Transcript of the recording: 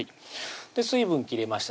水分切りました